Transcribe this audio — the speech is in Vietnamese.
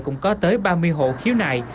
cũng có tới ba mươi hộ khiếu nại